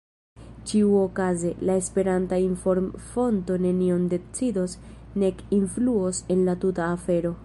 Ĉiuokaze, la Esperanta inform-fonto nenion decidos nek influos en la tuta afero.